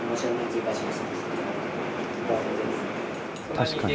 確かに。